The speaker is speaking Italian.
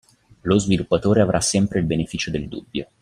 Lo sviluppatore avrà sempre il beneficio del dubbio.